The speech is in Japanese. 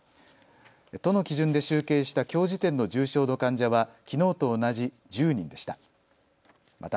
都の基準で集計したきょう時点の重症の患者はきのうと同じ１０人でした。